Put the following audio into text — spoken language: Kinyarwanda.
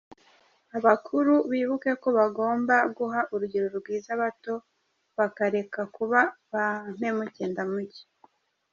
Abakuru bibuke ko bagomba guha urugero rwiza abato bakareka kuba ba mpemukendamuke.